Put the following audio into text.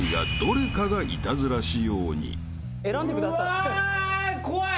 うわ怖い！